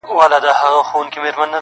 چي زه راځمه خزان به تېر وي -